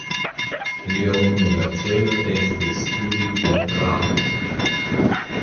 Lia unua celo estis studi pentrarton.